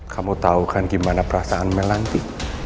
kamu tau kan gimana perasaan mel nanti